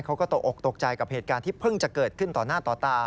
เขาก็ตกอกตกใจกับเหตุการณ์ที่เพิ่งจะเกิดขึ้นต่อหน้าต่อตา